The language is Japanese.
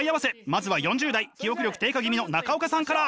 まずは４０代記憶力低下気味の中岡さんから！